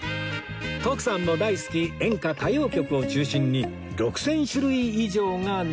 徳さんも大好き演歌・歌謡曲を中心に６０００種類以上が並びます